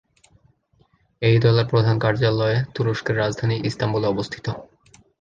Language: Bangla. এই দলের প্রধান কার্যালয় তুরস্কের রাজধানী ইস্তাম্বুলে অবস্থিত।